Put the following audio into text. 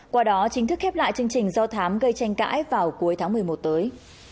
qua đó chính thức khép lại chương trình do thám gây tranh cãi vào cuối tháng một mươi một tới